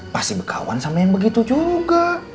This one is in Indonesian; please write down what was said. pasti bekawan sama yang begitu juga